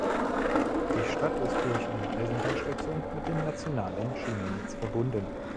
Die Stadt ist durch eine Eisenbahnstation mit dem nationalen Schienennetz verbunden.